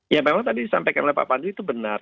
ya memang tadi disampaikan oleh pak padli itu benar